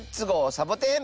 サボテン」。